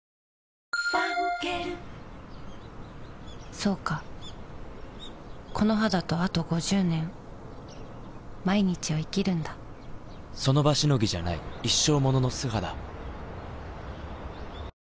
そうかこの肌とあと５０年その場しのぎじゃない一生ものの素肌